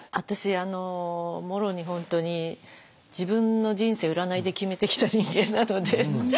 私あのもろに本当に自分の人生占いで決めてきた人間なので。